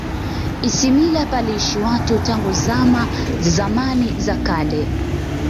ismila paliishi watu tangu zama za zamani za kale